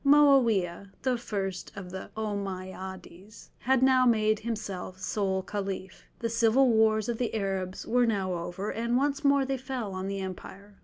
Moawiah, the first of the Ommeyades, had now made himself sole Caliph; the civil wars of the Arabs were now over, and once more they fell on the empire.